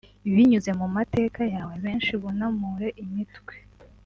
binyuze mu mateka yawe benshi bunamure imitwe